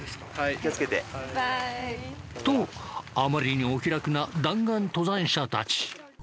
気を付けて。とあまりにお気楽な弾丸登山者たち。